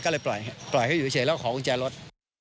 ก็เลยปล่อยเขาอยู่เฉยแล้วขอกุญแจรถ